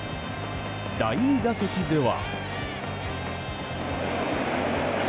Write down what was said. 第２打席では。